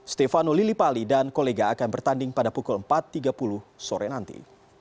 stefano lillipali dan kolega akan bertanding pada pukul empat tiga puluh sore nanti